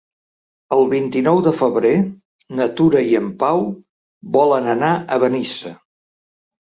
El vint-i-nou de febrer na Tura i en Pau volen anar a Benissa.